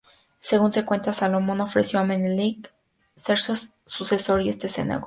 Según se cuenta, Salomón ofreció a Menelik ser su sucesor y este se negó.